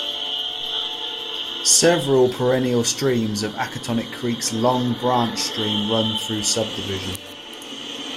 Several perennial streams of Accotink Creek's Long Branch stream run through the subdivision.